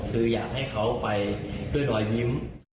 คืออยากให้เขาไปด้วยรอยยิ้ม